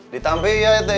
ditampil ya teteh ya